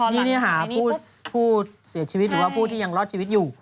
นี่ค่ะผู้เสียชีวิตหรือว่าผู้ที่ยังรอดชีวิตอยู่